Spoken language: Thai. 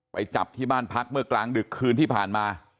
ไปจับที่บ้านพักเมื่อกลางดึกคืนที่ผ่านมา